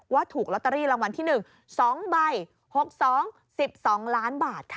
ถูกลอตเตอรี่รางวัลที่๑๒ใบ๖๒๑๒ล้านบาทค่ะ